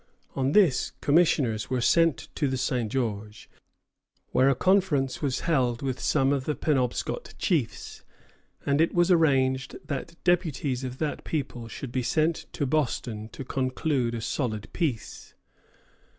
On this, commissioners were sent to the St. George, where a conference was held with some of the Penobscot chiefs, and it was arranged that deputies of that people should be sent to Boston to conclude a solid peace.